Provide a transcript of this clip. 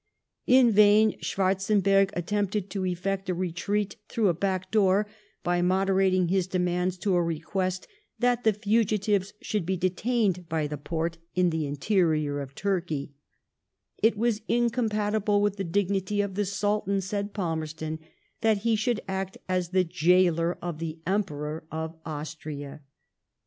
In vain Schwarzenberg attempted to effect a retreat through a back door, by moderating his demands to a request that the fugitives should be detained by the Porte in the interior of Turkey ; it was incompatible with the dignity of the Sultan, said Pal merston, that he should act " as the gaoler of the Emperor of Austria.